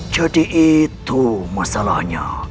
jadi itu masalahnya